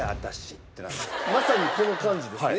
まさにこの感じですね